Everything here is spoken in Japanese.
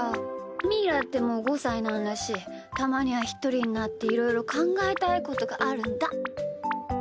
みーだってもう５さいなんだしたまにはひとりになっていろいろかんがえたいことがあるんだ。